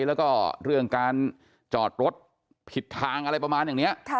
แล้วก็เรื่องการจอดรถผิดทางอะไรประมาณอย่างนี้